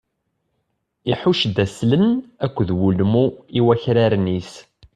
Iḥucc-d aslen akked wulmu i wakraren-is.